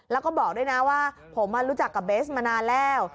แล้วก็บอกด้วยนะว่าผมรู้จักกับเบสมานานแล้ว